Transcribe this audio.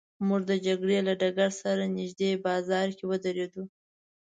موږ د جګړې له ډګر سره نږدې بازار کې ودرېدو.